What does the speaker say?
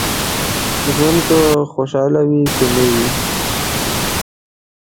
ژوند که خوشاله وي که نه وي.